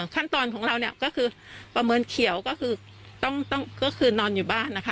ขั้นตอนของเราก็คือประเมินเขียวก็คือนอนอยู่บ้านนะคะ